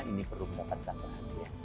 ini perlu mendapatkan kepentingan